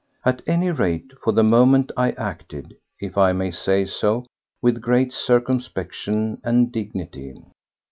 At any rate, for the moment I acted—if I may say so—with great circumspection and dignity.